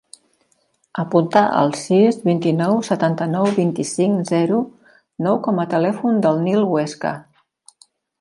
Apunta el sis, vint-i-nou, setanta-nou, vint-i-cinc, zero, nou com a telèfon del Nil Huesca.